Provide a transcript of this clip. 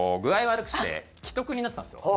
悪くして危篤になってたんですよ。